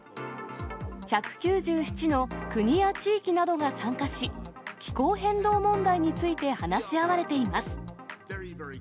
１９７の国や地域などが参加し、気候変動問題について話し合われています。